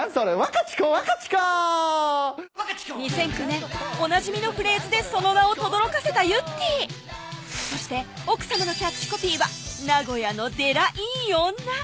２００９年おなじみのフレーズでその名をとどろかせたゆってぃそして奥さまのキャッチコピーは「名古屋のでらいい女」